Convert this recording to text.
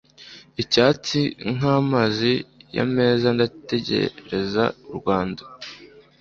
icyatsi nkamazi y meza ndatekereza u rwanda